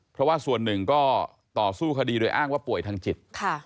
เพราะว่าส่วนหนึ่งก็ต่อสู้คดีโดยอ้างว่าป่วยทางจิต